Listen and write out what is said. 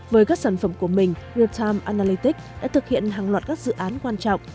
với các sản phẩm của mình real time analytic đã thực hiện hàng loạt các dự án quan trọng